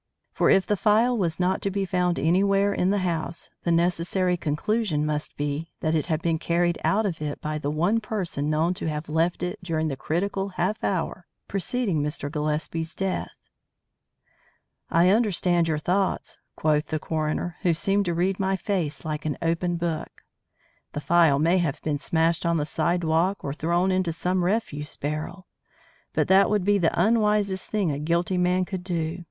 For if the phial was not to be found anywhere in the house, the necessary conclusion must be that it had been carried out of it by the one person known to have left it during the critical half hour preceding Mr. Gillespie's death. "I understand your thoughts," quoth the coroner, who seemed to read my face like an open book. "The phial may have been smashed on the sidewalk or thrown into some refuse barrel. But that would be the unwisest thing a guilty man could do.